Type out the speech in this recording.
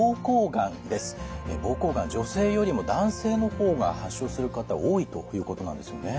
膀胱がん女性よりも男性の方が発症する方多いということなんですよね。